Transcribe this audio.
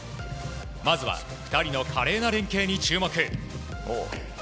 まずは２人の華麗な連係に注目。